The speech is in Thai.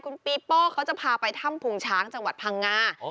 คุณปีโป้เขาจะพาไปถ้ำพุงช้างจังหวัดพังงา